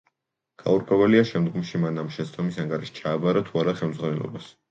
გაურკვეველია, შემდგომში მან ამ შეცდომის ანგარიში ჩააბარა თუ არა ხელმძღვანელობას.